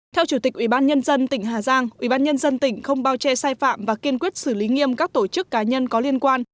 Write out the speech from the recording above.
theo chủ tịch ubnd tỉnh hà giang ubnd tỉnh không bao che sai phạm và kiên quyết xử lý nghiêm các tổ chức cá nhân có liên quan